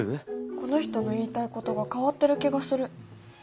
この人の言いたいことが変わってる気がする。